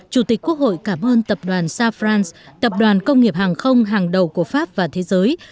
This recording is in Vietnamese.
chủ tịch quốc hội cảm ơn tập đoàn safrance tập đoàn công nghiệp hàng không hàng đầu của pháp và thế giới